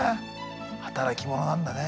働き者なんだね。